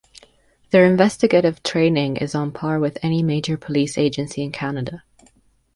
Their investigative training is on par with any major police agency in Canada.